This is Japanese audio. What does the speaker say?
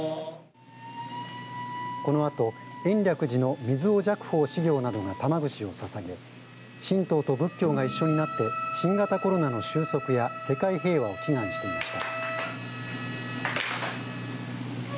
このあと延暦寺の水尾寂芳執行などが玉串をささげ神道と仏教が一緒になって新型コロナの終息や世界平和を祈願していました。